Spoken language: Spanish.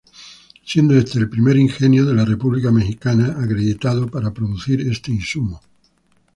Siendo este el primer ingenio de la República Mexicana acreditado para producir este insumo.